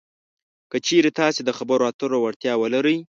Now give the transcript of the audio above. که چېرې تاسې د خبرو اترو وړتیا ولرئ